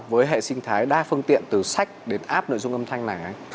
với hệ sinh thái đa phương tiện từ sách đến app nội dung âm thanh này hả anh